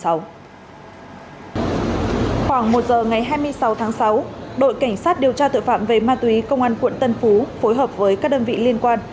khoảng một giờ ngày hai mươi sáu tháng sáu đội cảnh sát điều tra tội phạm về ma túy công an quận tân phú phối hợp với các đơn vị liên quan